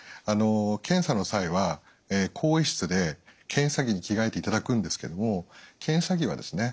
検査の際は更衣室で検査着に着替えていただくんですけども検査着はですね